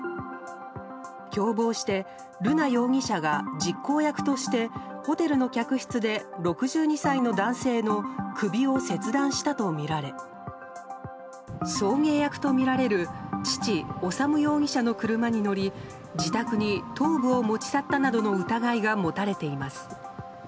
共謀して瑠奈容疑者が実行役としてホテルの客室で６２歳の男性の首を切断したとみられ送迎役とみられる父・修容疑者の車に乗り自宅に頭部を持ち去ったなどの疑いが持たれています。